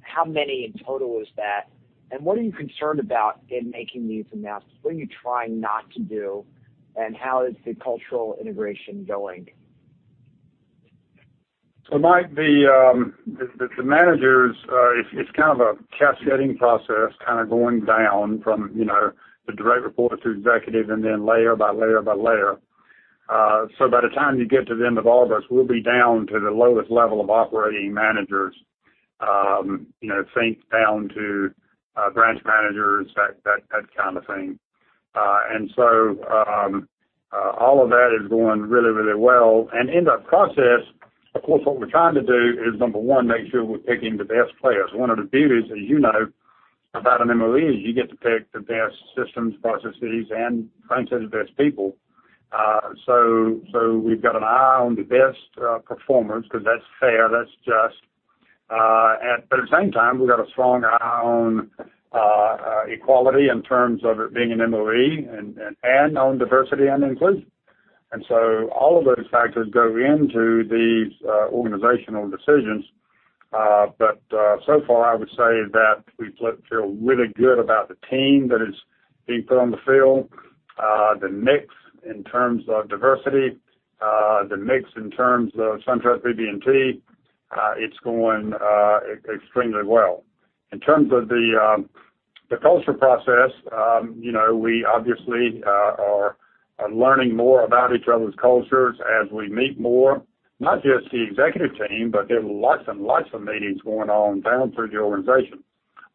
How many in total is that? What are you concerned about in making these announcements? What are you trying not to do, and how is the cultural integration going? Mike, the managers, it's kind of a cascading process, kind of going down from the direct report to executive and then layer by layer by layer. By the time you get to the end of August, we'll be down to the lowest level of operating managers sink down to branch managers, that kind of thing. All of that is going really, really well. In the process, of course, what we're trying to do is, number one, make sure we're picking the best players. One of the beauties, as you know, about an M&A is you get to pick the best systems, processes, and frankly, the best people. We've got an eye on the best performers because that's fair, that's just. At the same time, we've got a strong eye on equality in terms of it being an M&A and on diversity and inclusion. All of those factors go into these organizational decisions. So far I would say that we feel really good about the team that is being put on the field, the mix in terms of diversity, the mix in terms of SunTrust, BB&T, it's going extremely well. In terms of the culture process, we obviously are learning more about each other's cultures as we meet more, not just the executive team, but there's lots and lots of meetings going on down through the organization.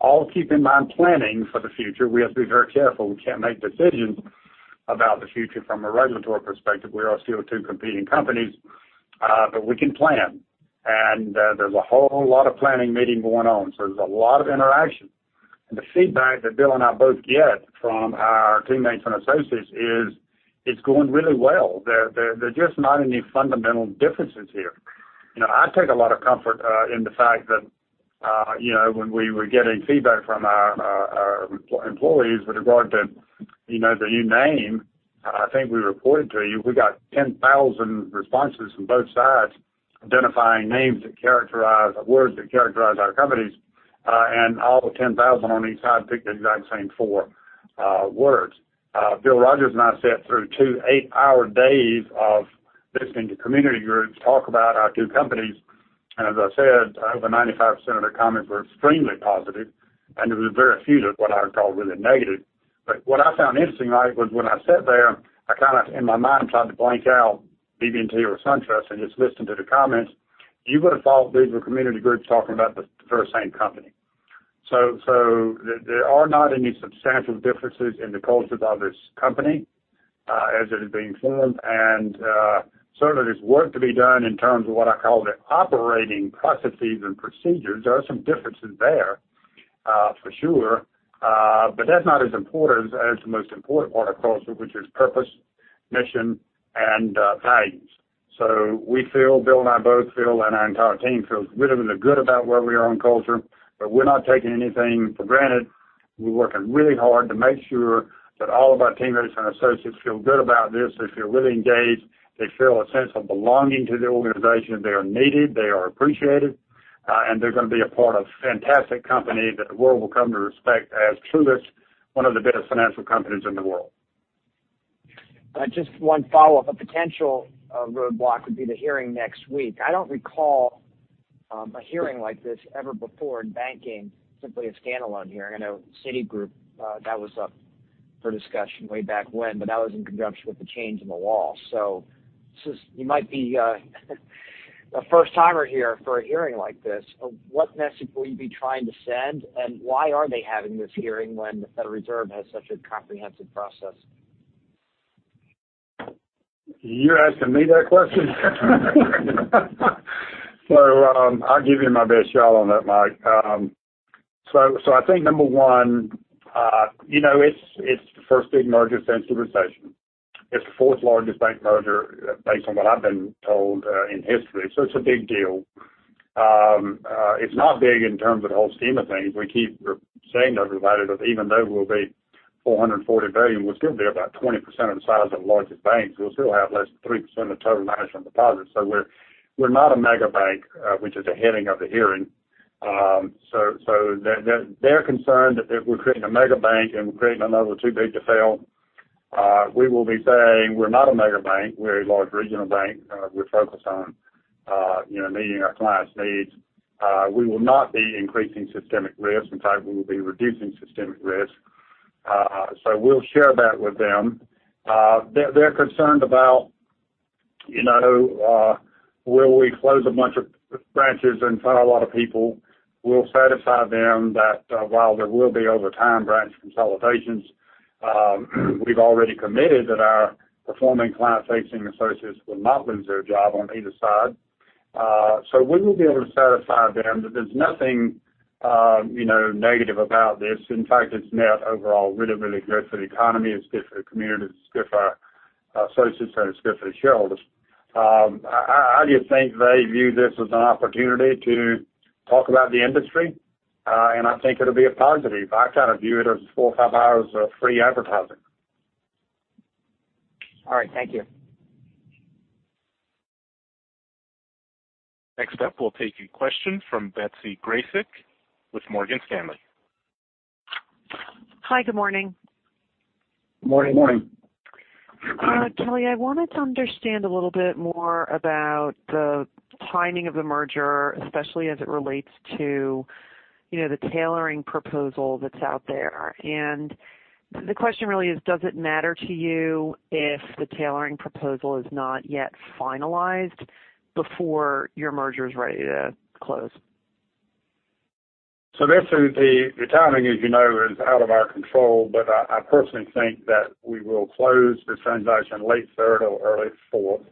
All keep in mind planning for the future. We have to be very careful. We can't make decisions about the future from a regulatory perspective. We are still two competing companies, but we can plan. There's a whole lot of planning meeting going on, so there's a lot of interaction. The feedback that Bill and I both get from our teammates and associates is it's going really well. There just aren't any fundamental differences here. I take a lot of comfort in the fact that when we were getting feedback from our employees with regard to the name, I think we reported to you, we got 10,000 responses from both sides identifying names that characterize, or words that characterize our companies, and all 10,000 on each side picked the exact same four words. Bill Rogers and I sat through two eight-hour days of listening to community groups talk about our two companies. As I said, over 95% of the comments were extremely positive, and there were very few that what I would call really negative. What I found interesting, Mike, was when I sat there, I kind of, in my mind, tried to blank out BB&T or SunTrust and just listened to the comments. You would have thought these were community groups talking about the very same company. There are not any substantial differences in the cultures of this company as it is being formed. Certainly there's work to be done in terms of what I call the operating processes and procedures. There are some differences there for sure. That's not as important as the most important part, of course, which is purpose, mission, and values. We feel, Bill and I both feel, and our entire team feels really, really good about where we are on culture. We're not taking anything for granted. We're working really hard to make sure that all of our teammates and associates feel good about this. They feel really engaged. They feel a sense of belonging to the organization. They are needed, they are appreciated, and they're going to be a part of a fantastic company that the world will come to respect as Truist, one of the best financial companies in the world. Just one follow-up. A potential roadblock would be the hearing next week. I don't recall a hearing like this ever before in banking, simply a standalone hearing. I know Citigroup, that was up for discussion way back when, but that was in conjunction with the change in the law. You might be a first-timer here for a hearing like this. What message will you be trying to send, and why are they having this hearing when the Federal Reserve has such a comprehensive process? You're asking me that question? I'll give you my best shot on that, Mike. I think number one, it's the first big merger since the recession. It's the fourth-largest bank merger, based on what I've been told, in history, it's a big deal. It's not big in terms of the whole scheme of things. We keep saying to everybody that even though we'll be $440 billion, we'll still be about 20% of the size of the largest banks. We'll still have less than 3% of total management deposits. We're not a mega bank, which is the heading of the hearing. They're concerned that we're creating a mega bank and we're creating another too big to fail. We will be saying, we're not a mega bank. We're a large regional bank. We're focused on meeting our clients' needs. We will not be increasing systemic risk. In fact, we will be reducing systemic risk. We'll share that with them. They're concerned about will we close a bunch of branches and fire a lot of people? We'll satisfy them that while there will be, over time, branch consolidations, we've already committed that our performing client-facing associates will not lose their job on either side. We will be able to satisfy them that there's nothing negative about this. In fact, it's net overall really, really good for the economy, it's good for the communities, it's good for our associates, and it's good for the shareholders. I just think they view this as an opportunity to talk about the industry, and I think it'll be a positive. I kind of view it as four or five hours of free advertising. All right. Thank you. Next up, we'll take a question from Betsy Graseck with Morgan Stanley. Hi. Good morning. Morning. Morning. Kelly, I wanted to understand a little bit more about the timing of the merger, especially as it relates to the tailoring proposal that's out there. The question really is: does it matter to you if the tailoring proposal is not yet finalized before your merger is ready to close? This is the timing, as you know, is out of our control, but I personally think that we will close this transaction late third or early fourth.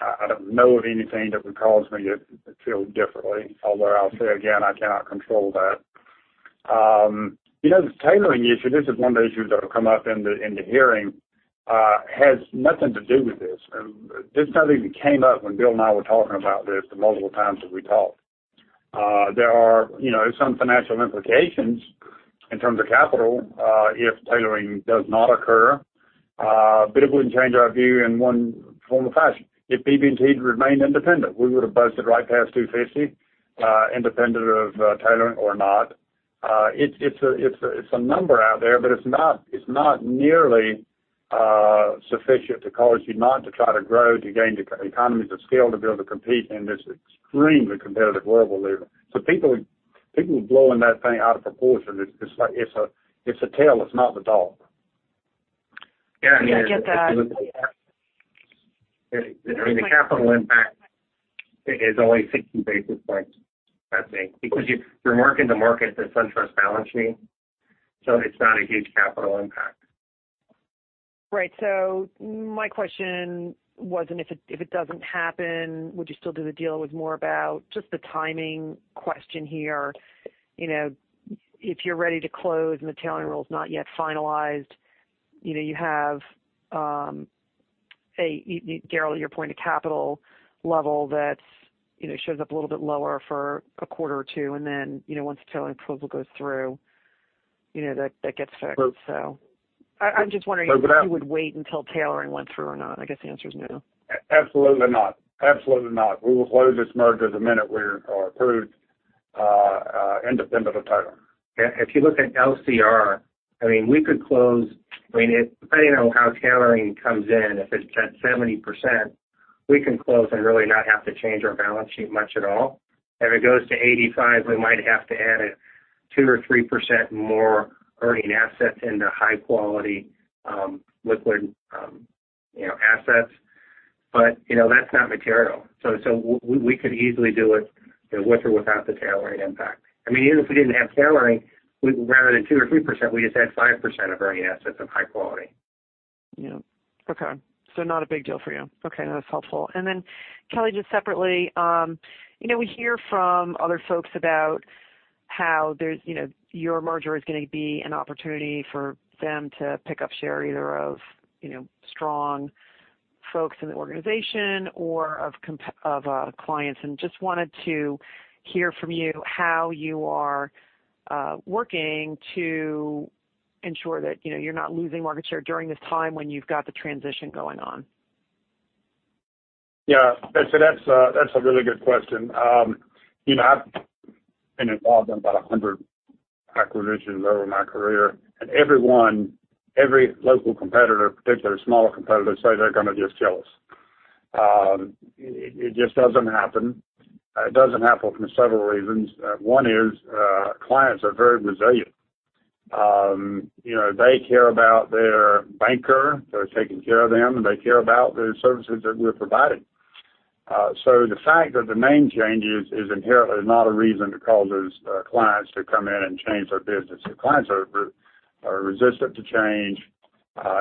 I don't know of anything that would cause me to feel differently, although I'll say again, I cannot control that. The tailoring issue, this is one of the issues that'll come up in the hearing, has nothing to do with this. This is nothing that came up when Bill and I were talking about this, the multiple times that we talked. There are some financial implications in terms of capital, if tailoring does not occur. It wouldn't change our view in one form or fashion. If BB&T had remained independent, we would've busted right past 250, independent of tailoring or not. It's a number out there, but it's not nearly sufficient to cause you not to try to grow, to gain the economies of scale, to be able to compete in this extremely competitive global level. People are blowing that thing out of proportion. It's a tail, it's not the dog. Yeah, I get that. The capital impact is only 60 basis points, I think. Because you're marking to market the SunTrust balance sheet, so it's not a huge capital impact. Right. My question wasn't if it doesn't happen, would you still do the deal? It was more about just the timing question here. If you're ready to close and the tailoring rule's not yet finalized, you have, Daryl, your point, a capital level that shows up a little bit lower for a quarter or two, and then once the tailoring proposal goes through, that gets fixed. I'm just wondering if you would wait until tailoring went through or not. I guess the answer is no. Absolutely not. We will close this merger the minute we are approved, independent of tailoring. If you look at LCR, we could close, depending on how tailoring comes in, if it's at 70%, we can close and really not have to change our balance sheet much at all. If it goes to 85, we might have to add a 2% or 3% more earning assets into high quality liquid assets. That's not material. We could easily do it with or without the tailoring impact. Even if we didn't have tailoring, rather than 2% or 3%, we just add 5% of earning assets of high quality. Yeah. Okay. Not a big deal for you. Okay. No, that's helpful. Kelly, just separately, we hear from other folks about how your merger is going to be an opportunity for them to pick up share, either of strong folks in the organization or of clients, and just wanted to hear from you how you are working to ensure that you're not losing market share during this time when you've got the transition going on. Yeah. That's a really good question. I've been involved in about 100 acquisitions over my career, and every one, every local competitor, particularly smaller competitors, say they're going to just kill us. It just doesn't happen. It doesn't happen for several reasons. One is, clients are very resilient. They care about their banker that's taking care of them, and they care about the services that we're providing. The fact that the name changes is inherently not a reason to cause those clients to come in and change their business. The clients are resistant to change.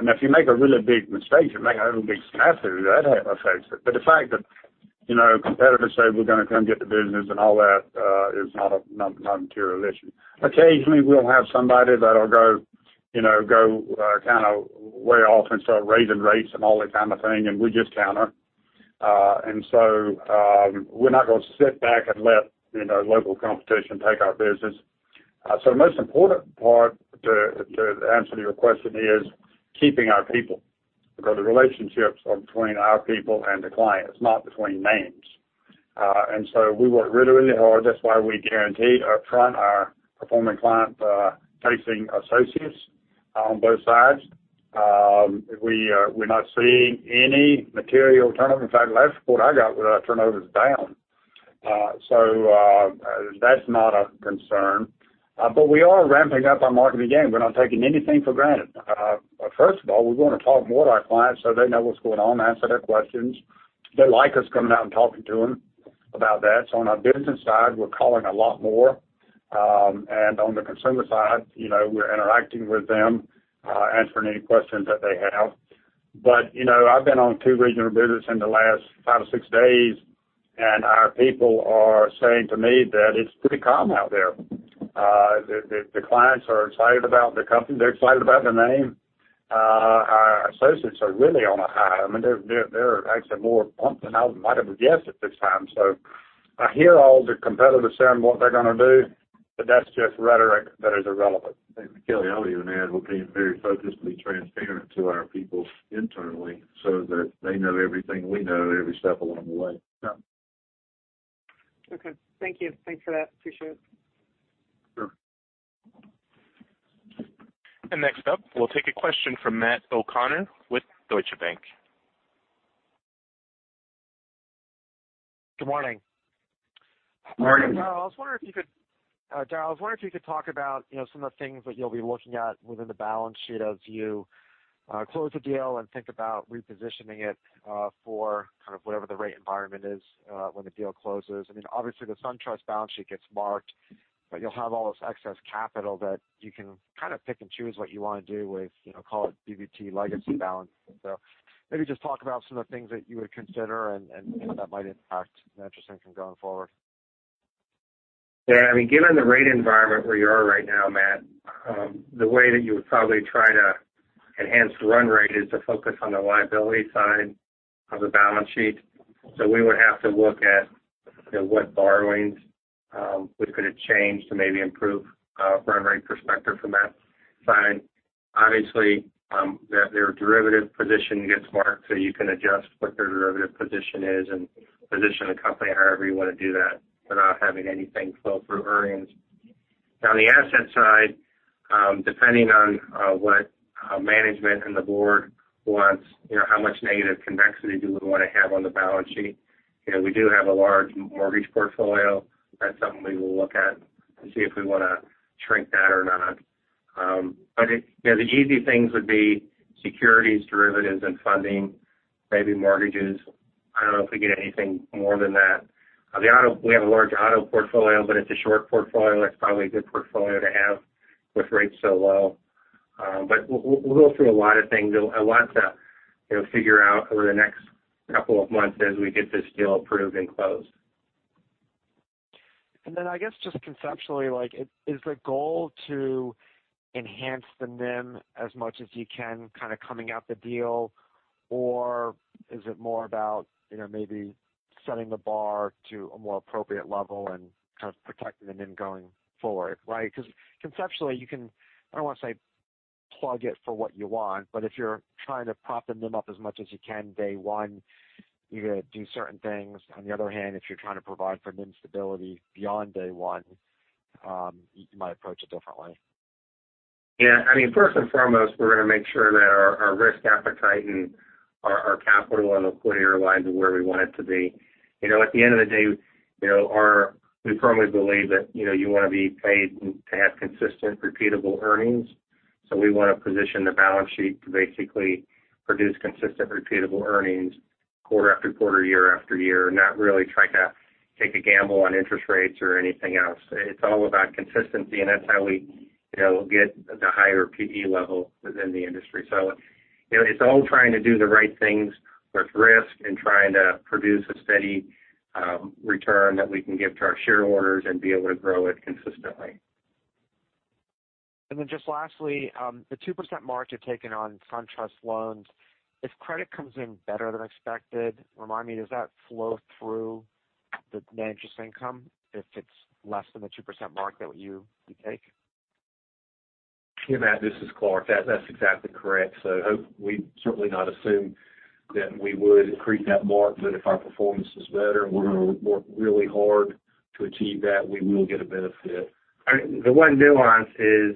If you make a really big mistake, you make a really big snafu, that affects it. The fact that competitors say we're going to come get the business and all that, is not a material issue. Occasionally, we'll have somebody that'll go way off and start raising rates and all that kind of thing, we just counter. We're not going to sit back and let local competition take our business. The most important part to answer your question is keeping our people, because the relationships are between our people and the clients, not between names. We work really, really hard. That's why we guaranteed upfront our performing client-facing associates on both sides. We're not seeing any material turnover. In fact, last report I got was our turnover's down. That's not a concern. We are ramping up our market again. We're not taking anything for granted. First of all, we want to talk more to our clients so they know what's going on, answer their questions. They like us coming out and talking to them about that. On our business side, we're calling a lot more. On the consumer side, we're interacting with them, answering any questions that they have. I've been on two regional visits in the last five or six days, and our people are saying to me that it's pretty calm out there. The clients are excited about the company. They're excited about the name. Our associates are really on a high. They're actually more pumped than I might have guessed at this time. I hear all the competitors saying what they're going to do, but that's just rhetoric that is irrelevant. Kelly, I would even add, we're being very focused to be transparent to our people internally so that they know everything we know every step along the way. Yeah. Okay. Thank you. Thanks for that. Appreciate it. Next up, we'll take a question from Matt O'Connor with Deutsche Bank. Good morning. Morning. Daryl, I was wondering if you could talk about some of the things that you'll be looking at within the balance sheet as you close the deal and think about repositioning it for kind of whatever the rate environment is when the deal closes. Obviously, the SunTrust balance sheet gets marked, but you'll have all this excess capital that you can kind of pick and choose what you want to do with, call it BB&T legacy balance. Maybe just talk about some of the things that you would consider and how that might impact net interest income going forward. Yeah. Given the rate environment where you are right now, Matt, the way that you would probably try to enhance the run rate is to focus on the liability side of the balance sheet. We would have to look at what borrowings we could change to maybe improve a run rate perspective from that side. Obviously, their derivative position gets marked, you can adjust what their derivative position is and position the company however you want to do that without having anything flow through earnings. On the asset side, depending on what management and the board wants, how much negative convexity do we want to have on the balance sheet? We do have a large mortgage portfolio. That's something we will look at to see if we want to shrink that or not. The easy things would be securities, derivatives, and funding, maybe mortgages. I don't know if we get anything more than that. We have a large auto portfolio, but it's a short portfolio. It's probably a good portfolio to have with rates so low. We'll go through a lot of things, a lot to figure out over the next couple of months as we get this deal approved and closed. I guess just conceptually, is the goal to enhance the NIM as much as you can kind of coming out the deal? Is it more about maybe setting the bar to a more appropriate level and kind of protecting the NIM going forward, right? Conceptually, you can, I don't want to say plug it for what you want, but if you're trying to prop the NIM up as much as you can day one, you're going to do certain things. On the other hand, if you're trying to provide for NIM stability beyond day one, you might approach it differently. Yeah. First and foremost, we're going to make sure that our risk appetite and our capital on the equity are aligned to where we want it to be. At the end of the day, we firmly believe that you want to be paid to have consistent, repeatable earnings. We want to position the balance sheet to basically produce consistent, repeatable earnings quarter after quarter, year after year. Not really try to take a gamble on interest rates or anything else. It's all about consistency, and that's how we get the higher PE level within the industry. It's all trying to do the right things with risk and trying to produce a steady return that we can give to our shareholders and be able to grow it consistently. Just lastly, the 2% margin taken on SunTrust loans, if credit comes in better than expected, remind me, does that flow through the net interest income if it's less than the 2% margin that you take? Yeah, Matt, this is Clarke. That's exactly correct. We'd certainly not assume that we would accrete that mark. If our performance is better, and we're going to work really hard to achieve that, we will get a benefit. The one nuance is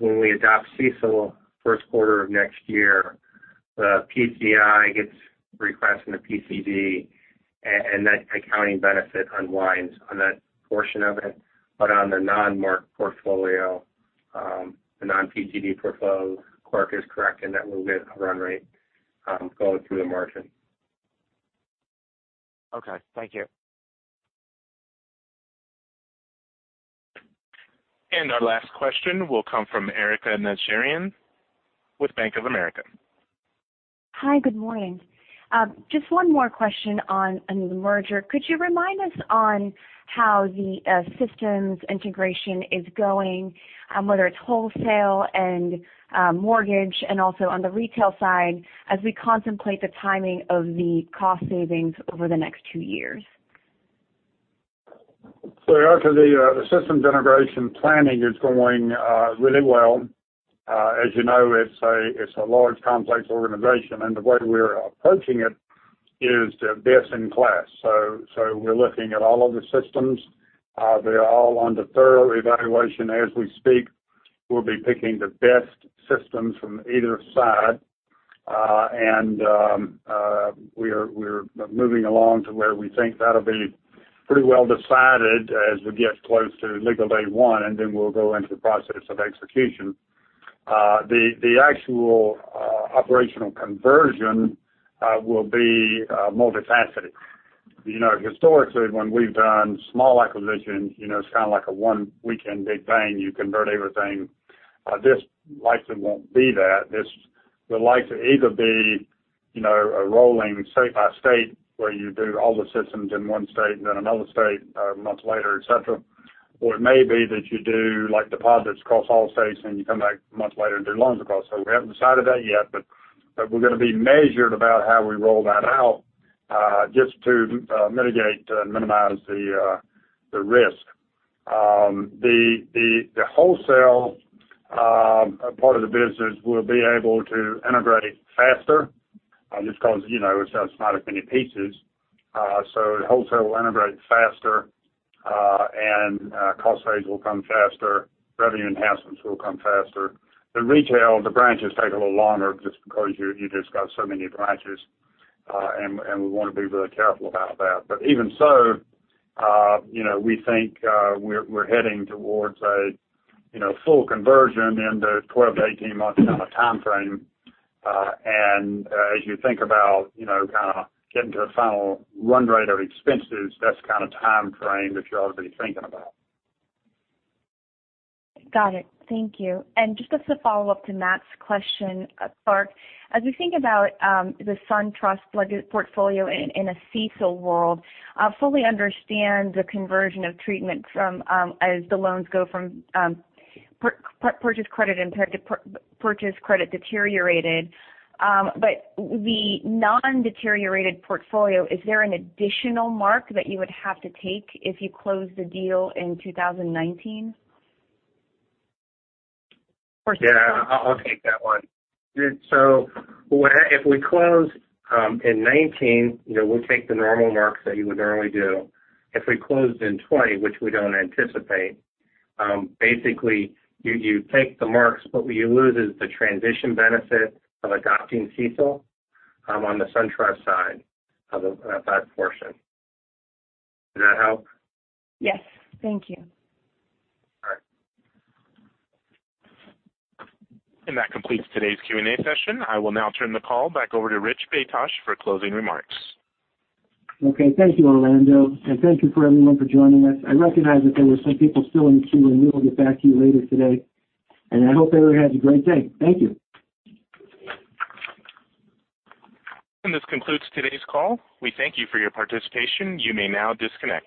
when we adopt CECL first quarter of next year, the PCI gets requests from the PCD, and that accounting benefit unwinds on that portion of it. On the non-marked portfolio, the non-PCD portfolio, Clarke is correct in that we'll get a run rate going through the margin. Okay. Thank you. Our last question will come from Erika Najarian with Bank of America. Hi. Good morning. Just one more question on the merger. Could you remind us on how the systems integration is going, whether it's wholesale and mortgage and also on the retail side, as we contemplate the timing of the cost savings over the next two years? Erika, the systems integration planning is going really well. As you know, it's a large, complex organization, and the way we're approaching it is best in class. We're looking at all of the systems. They're all under thorough evaluation as we speak. We'll be picking the best systems from either side. We're moving along to where we think that'll be pretty well decided as we get close to legal day one, and then we'll go into the process of execution. The actual operational conversion will be multifaceted. Historically, when we've done small acquisitions, it's kind of like a one weekend big bang. You convert everything. This likely won't be that. This will likely either be a rolling state by state where you do all the systems in one state and then another state a month later, et cetera. It may be that you do deposits across all states, and you come back a month later and do loans across. We haven't decided that yet, but we're going to be measured about how we roll that out, just to mitigate and minimize the risk. The wholesale part of the business will be able to integrate faster just because it's not as many pieces. Wholesale will integrate faster, and cost saves will come faster, revenue enhancements will come faster. The retail, the branches take a little longer just because you just got so many branches, and we want to be really careful about that. Even so, we think we're heading towards a full conversion in the 12 to 18-month kind of timeframe. As you think about kind of getting to a final run rate of expenses, that's kind of the timeframe that you ought to be thinking about. Got it. Thank you. Just as a follow-up to Matt's question, Clarke, as we think about the SunTrust portfolio in a CECL world, I fully understand the conversion of treatment as the loans go from purchase credit impaired to purchase credit deteriorated. The non-deteriorated portfolio, is there an additional mark that you would have to take if you close the deal in 2019? Yeah, I'll take that one. If we close in 2019, we'll take the normal marks that you would normally do. If we closed in 2020, which we don't anticipate, basically you take the marks, what you lose is the transition benefit of adopting CECL on the SunTrust side of that portion. Did that help? Yes. Thank you. All right. That completes today's Q&A session. I will now turn the call back over to Rich Baytosh for closing remarks. Okay. Thank you, Orlando. Thank you for everyone for joining us. I recognize that there were some people still in the queue, and we will get back to you later today. I hope everyone has a great day. Thank you. This concludes today's call. We thank you for your participation. You may now disconnect.